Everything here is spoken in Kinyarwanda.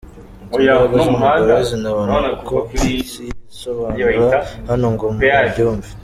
Ati”Imbaraga z’umugore sinabona uko nzisobanura hano ngo mubyumve.